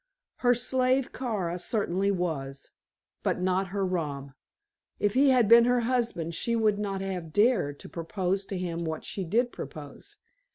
Her slave Kara certainly was, but not her rom. If he had been her husband she would not have dared to propose to him what she did propose.